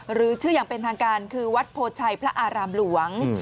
หรือชื่ออย่างเป็นทางการคือวัดโพชัยพระอารามหลวง